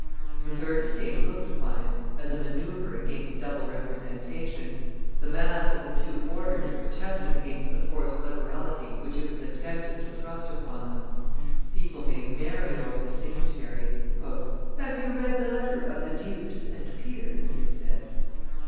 The third estate looked upon it as a manoeuvre against double representation; the mass of the two orders protested against the forced liberality which it was attempted to thrust upon them. People made merry over the signataries. "Have you read the letter of the dupes and peers?" they said.